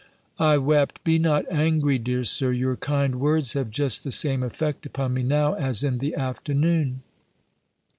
I wept, "Be not angry, dear Sir: your kind words have just the same effect upon me now, as in the afternoon."